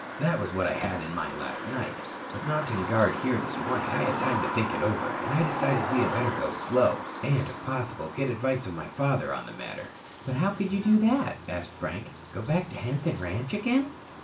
"That was what I had in mind last night. But mounting guard here this morning I had time to think it over, and I decided we had better go slow and, if possible, get the advice of my father on the matter." "But how could you do that?" asked Frank. "Go back to Hampton ranch again?"